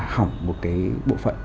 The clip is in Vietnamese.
hỏng một cái bộ phận